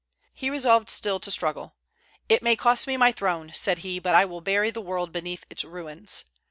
He resolved still to struggle. "It may cost me my throne," said he, "but I will bury the world beneath its ruins."